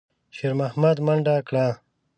شېرمحمد منډه کړه.